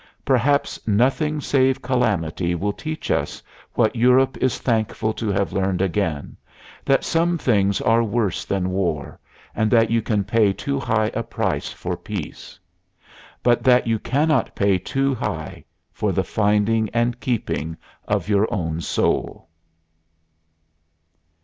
Perhaps nothing save calamity will teach us what Europe is thankful to have learned again that some things are worse than war, and that you can pay too high a price for peace; but that you cannot pay too high for the finding and keeping of your own soul.